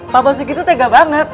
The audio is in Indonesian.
pak basuki itu tega banget